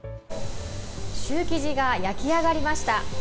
シュー生地が焼き上がりました。